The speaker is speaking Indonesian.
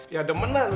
ya udah menaruh